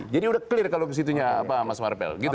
jadi sudah clear kalau ke situ mas marpel